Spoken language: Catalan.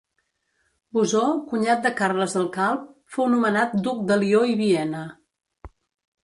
Bosó, cunyat de Carles el Calb, fou nomenat duc de Lió i Viena.